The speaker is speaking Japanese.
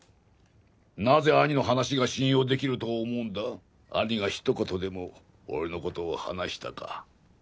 なぜ兄の話が信用できると思うんだ兄が一言でも俺のことを話したか？